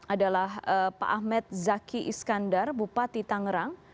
adalah pak ahmed zaki iskandar bupati tangerang